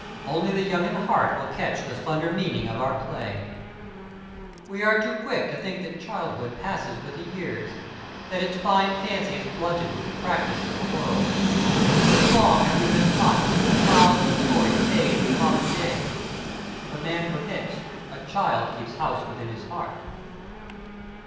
Only the young in heart will catch the slender meaning of our play._ _We are too quick to think that childhood passes with the years that its fine fancy is blunted with the practice of the world. Too long have we been taught that the clouds of glory fade in the common day. If a man permits, a child keeps house within his heart.